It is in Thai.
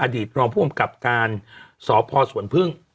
อดีตรองผู้บังกับการสอบพอสวนพึ่ง